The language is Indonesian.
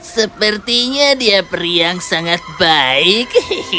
sepertinya dia peri yang sangat baik